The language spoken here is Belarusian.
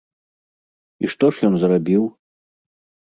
І што ж ён зрабіў?